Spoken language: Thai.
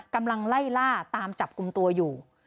กำลังไล่ล่าตามจับกลุ่มตัวอยู่